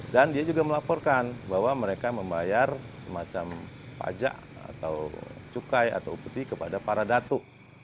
dan dia juga melaporkan bahwa mereka membayar semacam pajak atau cukai atau uputi kepada para datuk